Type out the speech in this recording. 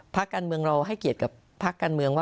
พักการเมืองเราให้เกียรติกับภาคการเมืองว่า